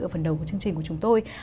ở phần đầu của chương trình của chúng tôi